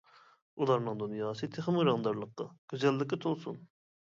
ئۇلارنىڭ دۇنياسى تېخىمۇ رەڭدارلىققا، گۈزەللىككە تولسۇن!